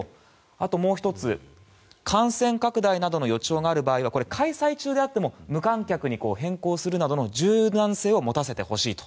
もう１つ、感染拡大などの予兆がある場合は開催中であっても無観客に変更するなどの柔軟性を持たせてほしいと。